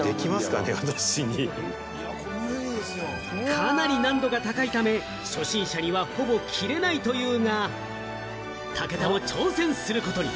かなり難度が高いため、初心者にはほぼ切れないというが、武田も挑戦することに！